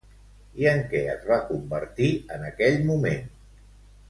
I en què es va convertir en aquell moment?